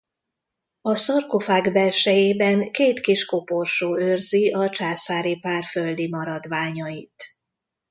A szarkofág belsejében két kis koporsó őrzi a császári pár földi maradványait.